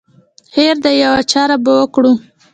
خیر دی یوه چاره به وکړو.